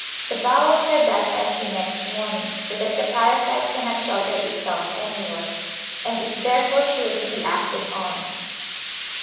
The bowels are thus empty next morning, so that the parasite cannot shelter itself anywhere, and is therefore sure to be acted on.